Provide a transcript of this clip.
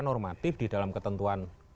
normatif di dalam ketentuan